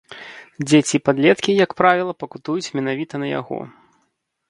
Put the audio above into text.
Дзеці і падлеткі, як правіла, пакутуюць менавіта на яго.